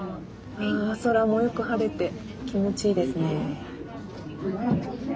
あ空もよく晴れて気持ちいいですね。